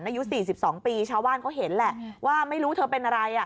นายุสี่สิบสองปีชาวว่านก็เห็นแหละว่าไม่รู้เธอเป็นอะไรอ่ะ